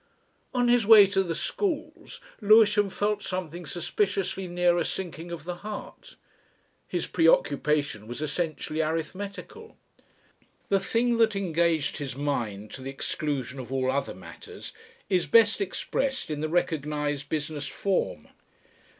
On his way to the schools Lewisham felt something suspiciously near a sinking of the heart. His preoccupation was essentially arithmetical. The thing that engaged his mind to the exclusion of all other matters is best expressed in the recognised business form.